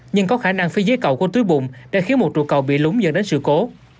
nhưng có khả năng phía dưới cầu của túi bụng đã khiến một trụ cầu bị lúng dẫn đến sự cố